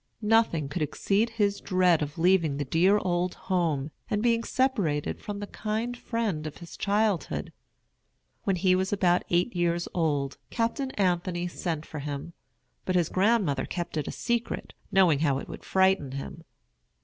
Nothing could exceed his dread of leaving the dear old home, and being separated from the kind friend of his childhood. When he was about eight years old, Captain Anthony sent for him; but his grandmother kept it a secret, knowing how it would frighten him.